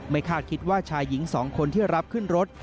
คาดคิดว่าชายหญิง๒คนที่รับขึ้นรถ